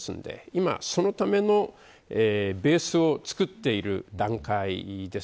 今、そのためのベースを作っている段階です。